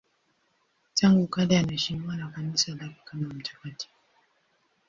Tangu kale anaheshimiwa na Kanisa lake kama mtakatifu.